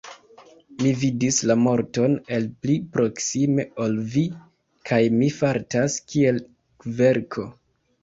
Mi vidis la morton el pli proksime ol vi, kaj mi fartas kiel kverko.